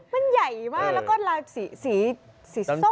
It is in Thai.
มันใหญ่มากแล้วก็ราศีสีส้ม